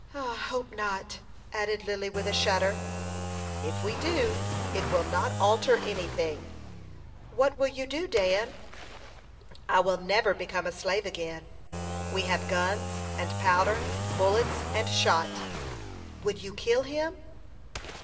"I hope not," added Lily, with a shudder. "If we do, it will not alter any thing." "What would you do, Dan?" "I will never become a slave again. We have guns and powder, bullets and shot." "Would you kill him?"